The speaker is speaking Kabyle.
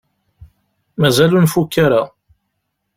Mazal ur nfukk ara.